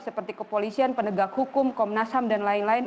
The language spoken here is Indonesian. seperti kepolisian penegak hukum komnas ham dan lain lain